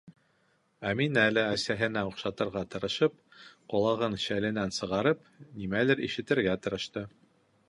Әминә лә әсәһенә оҡшатырға тырышып ҡолағын шәленән сығарып нимәлер ишетергә тырышты.